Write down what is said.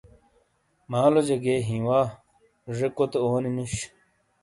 مالو جے گِئے ہی وا زے کوتے اونی نُوش۔